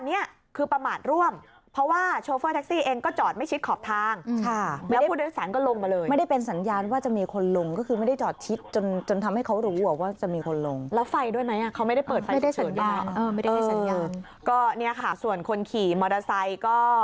นี่ค่ะส่วนคนขี่มอเตอร์ไซสายก็